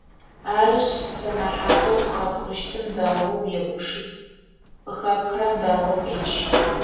Арышъ, сэнэхьатэу къыхэпхыщтым дэгъоу егупшыс, къыхэпхрэм дэгъоу федж!